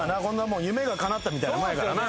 夢がかなったみたいなもんやからな。